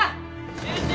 集中。